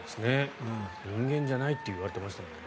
人間じゃないっていわれてましたもんね。